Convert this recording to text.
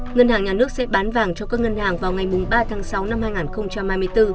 ngân hàng nhà nước sẽ bán vàng cho các ngân hàng vào ngày ba tháng sáu năm hai nghìn hai mươi bốn